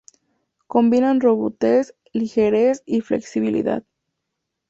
Combinan robustez, ligereza y flexibilidad.